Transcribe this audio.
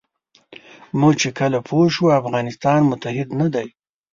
موږ چې کله پوه شو افغانستان متحد نه دی.